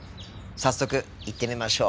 早速行ってみましょう。